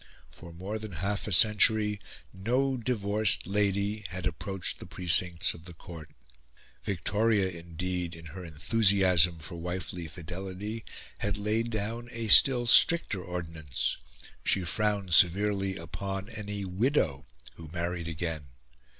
For more than half a century no divorced lady had approached the precincts of the Court. Victoria, indeed, in her enthusiasm for wifely fidelity, had laid down a still stricter ordinance: she frowned severely upon any widow who married again.